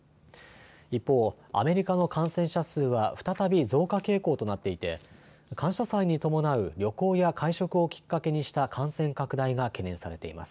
一方、アメリカの感染者数は再び増加傾向となっていて感謝祭に伴う旅行や会食をきっかけにした感染拡大が懸念されています。